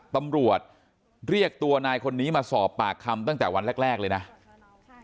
ตำรวจเรียกตัวนายคนนี้มาสอบปากคำตั้งแต่วันแรกเลยนะ